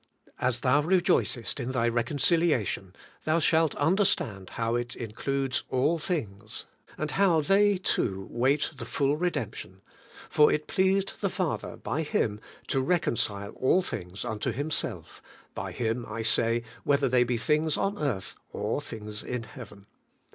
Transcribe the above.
As thou rejoicest in thy reconciliation, thou shalt understand how it in cludes all things, and how they too wait the full re demption; *for it pleased the Father by Him to reconcile all things unto Himself; by Him, I say, whether they be things on earth or things in heaven.